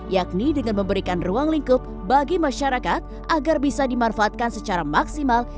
yakni dengan memberikan ruang lingkup bagi masyarakat agar bisa dimanfaatkan secara maksimal